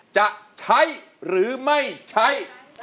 จะใช้หรือไม่ใช้